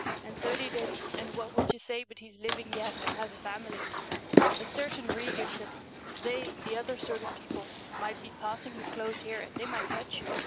And so they did, and what would you say but he's living yet and has a family ! A certain Regan said, " They, the other sort of people, might be passing you close here and they might touch you.